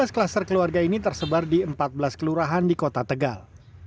tiga belas klaster keluarga ini tersebar di empat belas kelurahan di kota tegal